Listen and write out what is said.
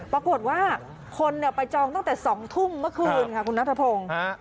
ปรากฏว่าคนเนี้ยไปจองตั้งแต่สองทุ่งเมื่อคืนค่ะคุณนัทพรพงศ์ฮะ